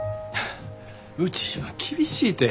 うち今厳しいて。